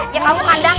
ya kamu pandang ya